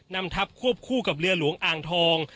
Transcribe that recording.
นำทับควบคู่กับเรือหลวงอ่างทอง